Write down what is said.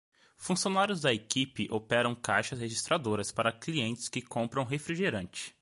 Funcionários da equipe operam caixas registradoras para clientes que compram refrigerante.